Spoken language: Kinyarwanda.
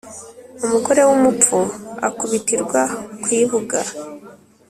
Umugore w’umupfu akubitirwa ku ibuga.